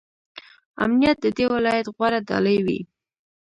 امنیت د دې ولایت غوره ډالۍ وي.